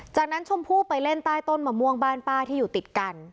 จากนั้นชมพู่ไปเล่นใต้ต้นมะม่วงบ้านป้าที่อยู่ติดกัน